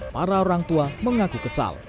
para orang tua mengaku kesal